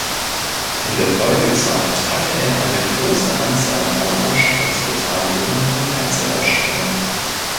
In der Folgezeit hatte er eine große Anzahl von Ausstellungsbeteiligungen und Einzelausstellungen.